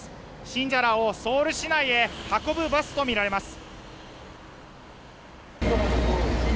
信者らをソウル市内へ運ぶバスとみられます。